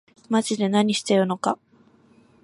まぢで何してるのか